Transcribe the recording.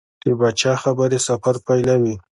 د پاچا خبرې سفر پیلوي.